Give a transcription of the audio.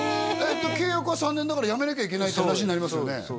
契約は３年だからやめなきゃいけないって話になりますよね